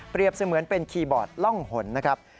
เปรียบเสมือนเป็นคีย์บอร์ดร่องหล่นนะครับ